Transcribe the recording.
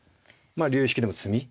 竜引きでも詰み。